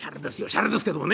シャレですけどもね。